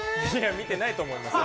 見てないと思います。